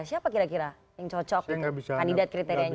siapa kira kira yang cocok kandidat kriterianya